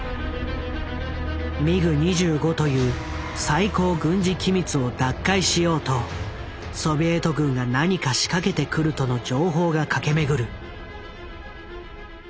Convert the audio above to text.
ミグ２５という最高軍事機密を奪回しようとソビエト軍が何か仕掛けてくるとの情報が駆け巡る。